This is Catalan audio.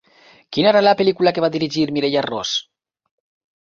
Quina era la pel·lícula que va dirigir Mireia Ros?